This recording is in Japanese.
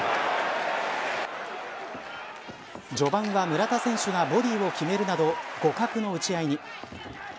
序盤は、村田選手がボディを決めるなど互角の打ち合いに。